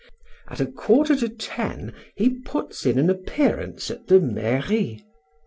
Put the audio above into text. At a quarter to ten he puts in an appearance at the Mairie.